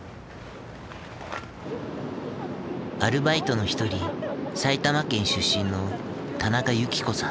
アルバイトの一人埼玉県出身の田中由紀子さん。